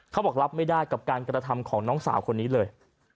เขาบอกรับไม่ได้กับการกระทำของน้องสาวคนนี้เลย